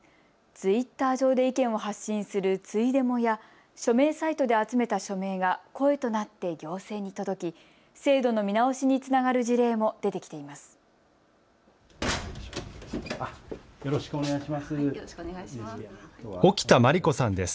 ツイッター上で意見を発信するツイデモや署名サイトで集めた署名が声となって行政に届き、制度の見直しにつながる事例も出てきています。